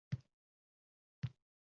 Olisdan nimadir qorayib ko‘rindi.